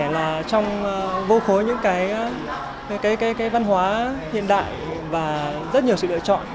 là trong vô khối những cái văn hóa hiện đại và rất nhiều sự lựa chọn